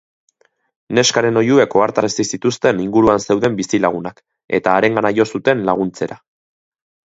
Neskaren oihuek ohartarazi zituzten inguruan zeuden bizilagunak eta harengana jo zuten laguntzera.